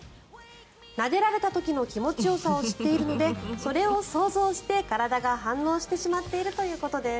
なでられた時の気持ちよさを知っているのでそれを想像して体が反応してしまっているということです。